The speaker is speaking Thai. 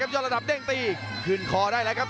ยอดระดับเด้งตีคืนคอได้แล้วครับ